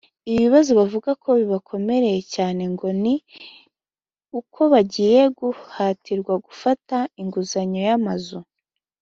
Ikibazo bavuga ko kibakomereye cyane ngo ni uko bagiye guhatirwa gufata inguzanyo y’amazu